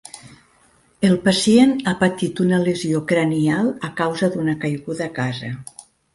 El pacient ha patit una lesió cranial a causa d'una caiguda a casa.